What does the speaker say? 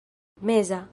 meza